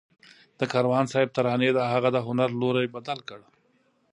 د کاروان صاحب ترانې د هغه د هنر لوری بدل کړ